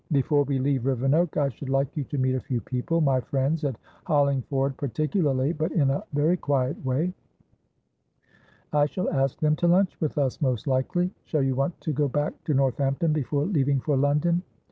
Before we leave Rivenoak, I should like you to meet a few people, my friends at Hollingford particularly, but in a very quiet way; I shall ask them to lunch with us, most likely. Shall you want to go back to Northampton before leaving for London?"